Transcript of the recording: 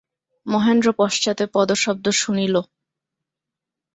মহেন্দ্র পশ্চাতে পদশব্দ শুনিল।